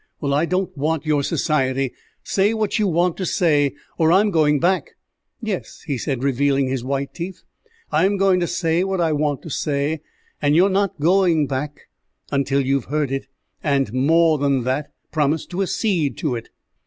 "Well, I don't want your society; say what you want to say, or I'm going back." "Yes," he said, revealing his white teeth, "I am going to say what I want to say, and you are not going back until you have heard it, and, more than that, promised to accede to it."